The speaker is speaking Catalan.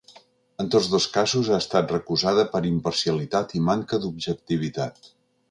En tots dos casos ha estat recusada per imparcialitat i manca d’objectivitat.